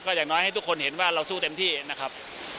อย่างน้อยให้ทุกคนเห็นว่าเราสู้เต็มที่นะครับ